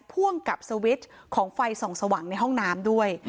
พ่วงกับสวิตช์ของไฟส่องสว่างในห้องน้ำด้วย